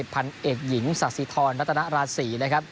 ผันเอกหญิงศาสีทรตศนรตรราศี